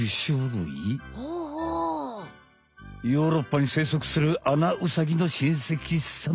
ヨーロッパにせいそくするアナウサギのしんせきさん。